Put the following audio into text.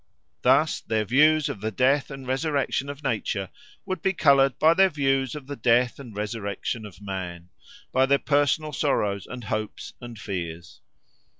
Thus their views of the death and resurrection of nature would be coloured by their views of the death and resurrection of man, by their personal sorrows and hopes and fears.